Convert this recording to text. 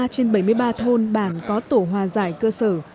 bảy mươi ba trên bảy mươi ba thôn bản có tổ hòa giải cơ sở